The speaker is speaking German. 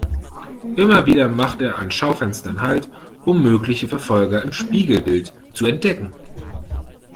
Immer wieder macht er an Schaufenstern halt, um mögliche Verfolger im Spiegelbild zu entdecken.